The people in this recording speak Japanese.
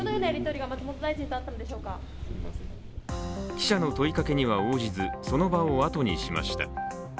記者の問いかけには応じずその場を後にしました。